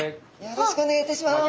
よろしくお願いします。